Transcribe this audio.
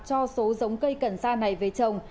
cho số giống cây cần sa này về chồng